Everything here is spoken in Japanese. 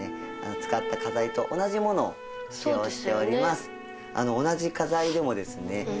使った花材と同じものを使用しております。